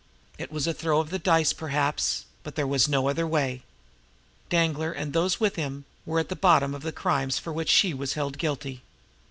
It was the throw of the dice, perhaps but there was no other way. Danglar, and those with him, were at the bottom of the crime of which she was held guilty.